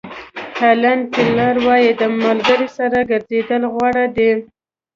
هیلن کیلر وایي د ملګري سره ګرځېدل غوره دي.